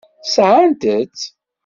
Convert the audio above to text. Sɛant-tt.